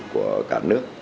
của cả nước